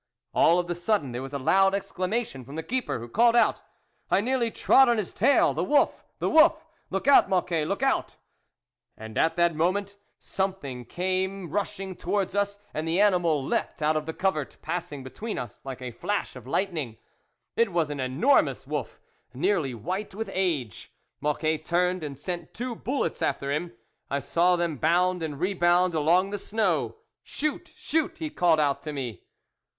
All of a sudden there was a loud excla mation from the keeper, who called out, " I nearly trod on his tail ! the wolf ! the wolf ! Look out, Mocquet, look out 1 " And at that moment something came rushing towards us, and the animal leapt out of the covert, passing between us like a flash of lightning. " It was an enormous wolf, nearly white with age. Mocquet turned and sent two bullets after him ; I saw them bound and rebound along the snow. " Shoot, shoot !" he called out to me.